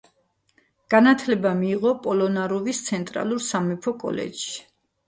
განათლება მიიღო პოლონარუვის ცენტრალურ სამეფო კოლეჯში.